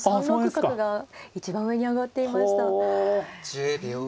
１０秒。